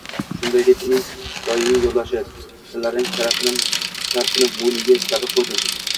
Shunday deb, uning doimiy yo‘ldoshi — tillarang sharfini bo‘yniga taqib qo‘ydim